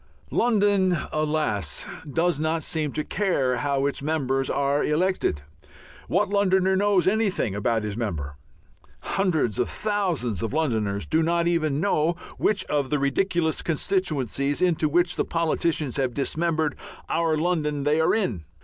London, alas! does not seem to care how its members are elected. What Londoner knows anything about his member? Hundreds of thousands of Londoners do not even know which of the ridiculous constituencies into which the politicians have dismembered our London they are in.